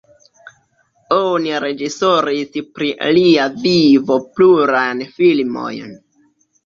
Oni reĝisoris pri lia vivo plurajn filmojn.